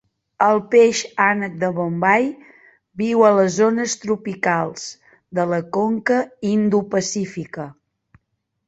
El peix "ànec de Bombay" viu a les zones tropicals de la conca Indo-Pacífica.